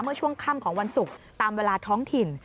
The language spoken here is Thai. เมื่อช่วงค่ำของวันศุกร์ตามเวลาท้องถิ่น